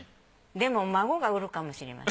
でも孫が売るかもしれません。